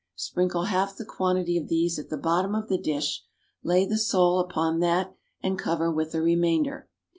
Sprinkle half the quantity of these at the bottom of the dish, lay the sole upon that and cover with the remainder.